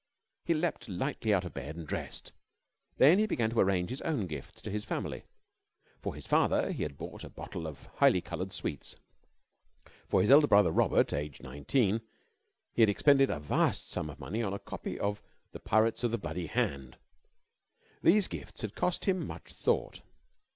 He leapt lightly out of bed and dressed. Then he began to arrange his own gifts to his family. For his father he had bought a bottle of highly coloured sweets, for his elder brother Robert (aged nineteen) he had expended a vast sum of money on a copy of "The Pirates of the Bloody Hand." These gifts had cost him much thought.